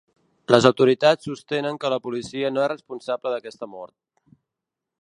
Les autoritats sostenen que la policia no és responsable d'aquesta mort.